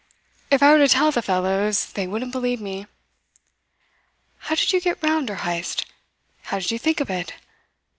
If I were to tell the fellows they wouldn't believe me. How did you get round her, Heyst? How did you think of it?